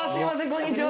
こんにちは